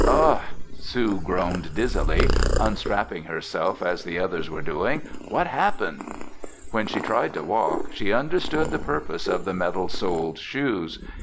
"Ugh!" Sue groaned dizzily, unstrapping herself as the others were doing. "What happened?" When she tried to walk, she understood the purpose of the metal soled shoes.